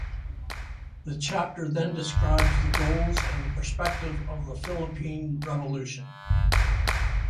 The chapter then describes the goals and the perspective of the Philippine revolution.